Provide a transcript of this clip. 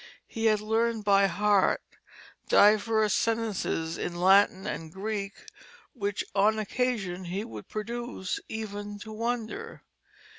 He had learned by heart divers sentences in Latin and Greek which on occasion he would produce even to wonder.